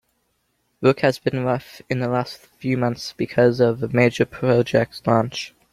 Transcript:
Work has been rough in the last few months because of a major project launch.